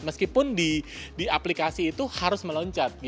meskipun di aplikasi itu harus meloncat